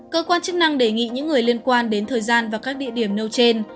cơ quan chức năng đề nghị những người liên quan đến thời gian và các địa điểm nêu trên